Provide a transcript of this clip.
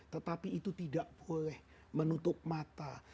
tetapi itu tidak boleh menutup mata